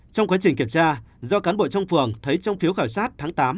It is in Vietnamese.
trong quá trình kiểm tra do cán bộ trong phường thấy trong phiếu khảo sát tháng tám